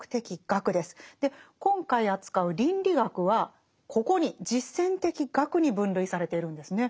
今回扱う倫理学はここに実践的学に分類されているんですね。